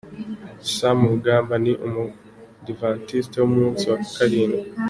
Sam Rugamba ni umudivantisti w’umunsi wa Karindwi .